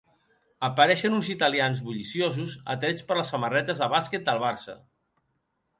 Apareixen uns italians bulliciosos atrets per les samarretes de bàsquet del Barça.